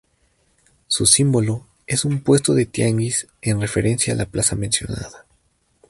Su símbolo es un puesto de tianguis en referencia a la plaza mencionada.